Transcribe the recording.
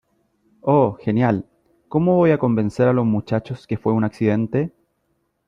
Oh , genial .¿ cómo voy a convencer a los muchachos que fue un accidente ?